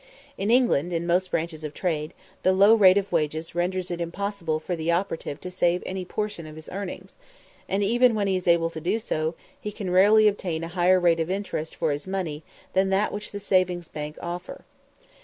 In England, in most branches of trade, the low rate of wages renders it impossible for the operative to save any portion of his earnings; and even when he is able to do so, he can rarely obtain a higher rate of interest for his money than that which the savings banks offer.